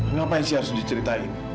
ngapain sih harus diceritain